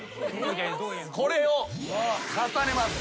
これを重ねます。